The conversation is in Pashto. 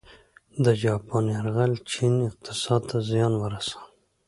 د جاپان یرغل چین اقتصاد ته زیان ورساوه.